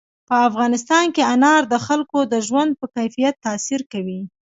په افغانستان کې انار د خلکو د ژوند په کیفیت تاثیر کوي.